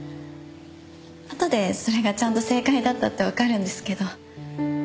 あとでそれがちゃんと正解だったってわかるんですけど。